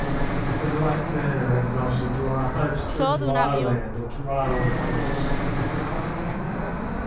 "In like manner, Ignosi, do our hearts turn to our land and to our own place."